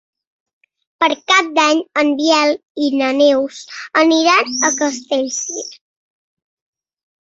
Per Cap d'Any en Biel i na Neus aniran a Castellcir.